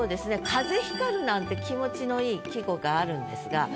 「風光る」なんて気持ちのいい季語があるんですが。